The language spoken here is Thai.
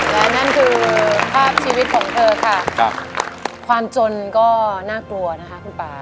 และนั่นคือภาพชีวิตของเธอค่ะความจนก็น่ากลัวนะคะคุณป่า